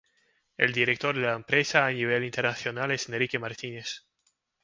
El director de la empresa a nivel internacional es Enrique Martínez.